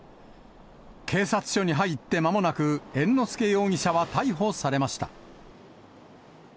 警察署に入って間もなく、猿之助容疑者は逮捕されました。